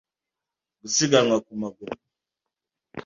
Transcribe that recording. Gusiganwa ku maguru